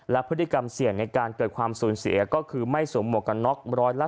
และพฤติกรรมเสี่ยงในการเกิดความสูญเสียก็คือไม่สวมหมวกกันน็อก๑๕